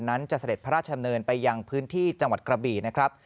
นั้นจะเสด็จพระราชดำเนินไปยังพื้นที่จังหวัดกระบี่นะครับ